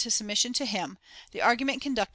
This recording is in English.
^ submission to him, the argument conducted IX.